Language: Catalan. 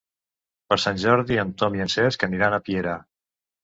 Per Sant Jordi en Tom i en Cesc aniran a Piera.